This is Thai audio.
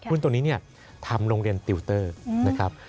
หุ้นตรงนี้ทำโรงเรียนติวเตอร์นะครับ